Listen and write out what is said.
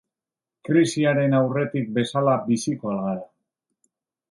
Krisiaren aurretik bezala biziko al gara?